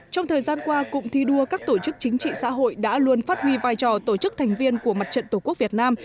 trong thời gian qua cụm thi đua các tổ chức chính trị xã hội đã luôn phát huy vai trò tổ chức thành viên của mặt trận tổ quốc việt nam